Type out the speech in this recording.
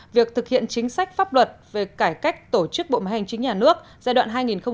việc thực hiện chính sách pháp luật về cải cách tổ chức bộ máy hành chính nhà nước giai đoạn hai nghìn một mươi sáu hai nghìn hai mươi